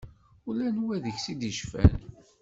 Ula anwa deg-s ittceffan.